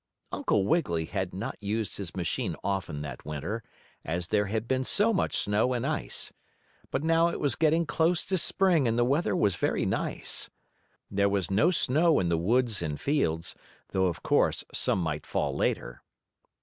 Uncle Wiggily had not used his machine often that Winter, as there had been so much snow and ice. But now it was getting close to Spring and the weather was very nice. There was no snow in the woods and fields, though, of course, some might fall later.